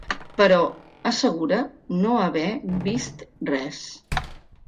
Però assegura no haver vist res.